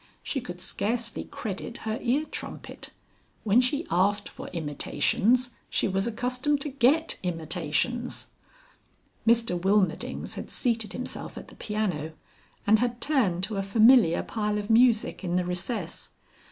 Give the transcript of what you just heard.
She could scarcely credit her ear trumpet. When she asked for Imitations she was accustomed to get Imitations. Mr Wilmerdings had seated himself at the piano, and had turned to a familiar pile of music in the recess.